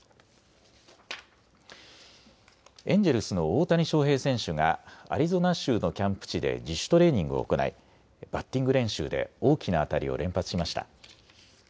エンジェルスの大谷翔平選手がアリゾナ州のキャンプ地で自主トレーニングを行いバッティング練習で大きな当たりを連発しました。